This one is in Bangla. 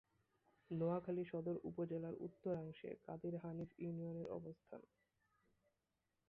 নোয়াখালী সদর উপজেলার উত্তরাংশে কাদির হানিফ ইউনিয়নের অবস্থান।